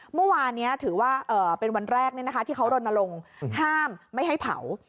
เมื่อวานนี้ถือว่าเป็นวันแรกที่เขารณรงค์ห้ามไม่ให้เผา